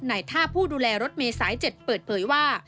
ในท่าผู้ดูแลรถเมย์สายเจ็ดเปิดเผยว่า